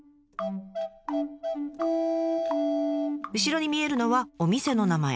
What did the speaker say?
後ろに見えるのはお店の名前。